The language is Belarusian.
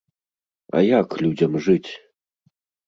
А як людзям жыць?